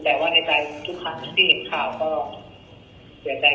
เขาบอกว่าเขามิจฉันมีประหลาดจากปกติแล้วจากนี้ก็ก็ไม่มีทางที่ชื่นงาน